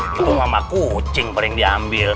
itu mama kucing paling diambil